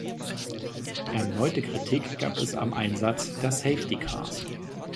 Erneute Kritik gab es am Einsatz der Safety Cars.